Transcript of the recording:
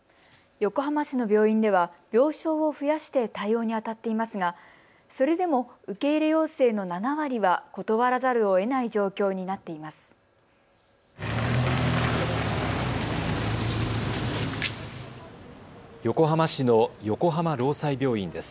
横浜市の病院では病床を増やして対応にあたっていますがそれでも受け入れ要請の７割は断らざるをえない状況になっています。